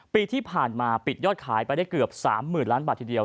ปีที่ผ่านมาปิดยอดขายไปได้เกือบ๓๐๐๐ล้านบาททีเดียว